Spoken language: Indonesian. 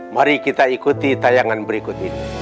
mari kita ikuti tayangan berikut ini